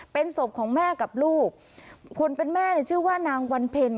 เป็นศพของแม่กับลูกคนเป็นแม่เนี่ยชื่อว่านางวันเพ็ญ